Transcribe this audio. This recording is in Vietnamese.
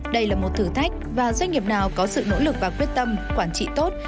đây là một thử thách và doanh nghiệp nào có sự nỗ lực và quyết tâm quản trị tốt